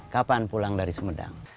kapan pulang dari sumedang